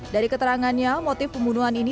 dari keterangannya motif pembunuhan ini